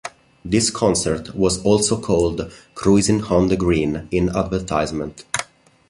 This concert was also called "Cruisin' On The Green" in advertisements.